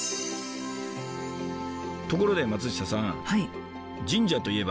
ところで松下さん。